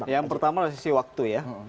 yang pertama dari sisi waktu ya